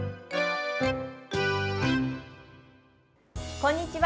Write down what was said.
こんにちは。